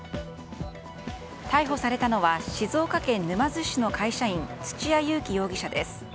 逮捕されたのは静岡県沼津市の会社員土屋勇貴容疑者です。